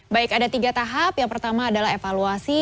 baik ada tiga tahap yang pertama adalah evaluasi